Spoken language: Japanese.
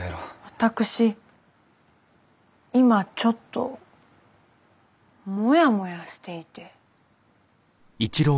私今ちょっとモヤモヤしていて。